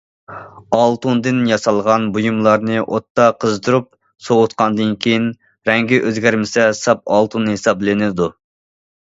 ئالتۇندىن ياسالغان بۇيۇملارنى ئوتتا قىزدۇرۇپ سوۋۇتقاندىن كېيىن، رەڭگى ئۆزگەرمىسە، ساپ ئالتۇن ھېسابلىنىدۇ.